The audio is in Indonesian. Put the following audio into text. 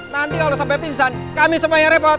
nanti kalau sampai pingsan kami semuanya repot